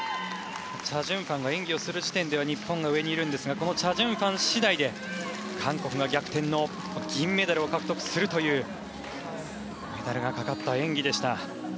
チャ・ジュンファンが演技する時点では日本が上にいますがチャ・ジュンファン次第で韓国が逆転の銀メダルを獲得するというメダルがかかった演技でした。